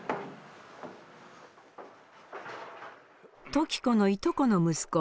時子のいとこの息子